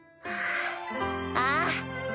ああ！